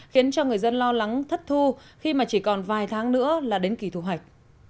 khiến cho người dân lo lắng thất thu khi mà chỉ còn vài tháng nữa là đến kỳ thu hoạch